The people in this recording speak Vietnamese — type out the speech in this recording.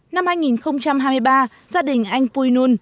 năm hai nghìn hai mươi ba gia đình anh vui nun